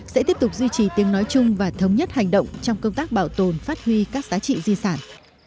sẽ tiếp tục duy trì tiếng nói chung và thống nhất hành động trong công tác bảo tồn phát huy các giá trị di sản